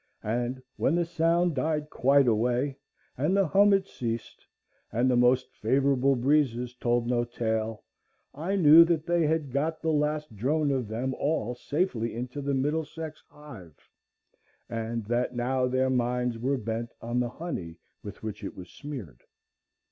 And when the sound died quite away, and the hum had ceased, and the most favorable breezes told no tale, I knew that they had got the last drone of them all safely into the Middlesex hive, and that now their minds were bent on the honey with which it was smeared.